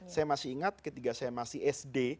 saya masih ingat ketika saya masih sd